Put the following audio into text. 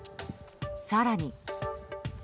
更に。